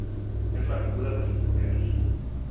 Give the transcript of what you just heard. és l'avinguda dels Bruguers